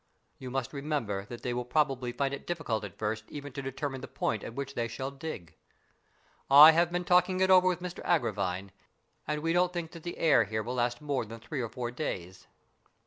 You must remember that they will probably find it difficult at first even to determine the point at which they shall dig. I've been talking it over with Mr Agravine, and we don't think that the air here will last more than three or four days.